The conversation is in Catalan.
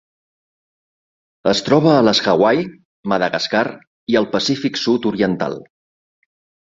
Es troba a les Hawaii, Madagascar i el Pacífic sud-oriental.